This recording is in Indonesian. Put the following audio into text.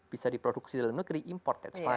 tidak bisa diproduksi dalam negeri import that's fine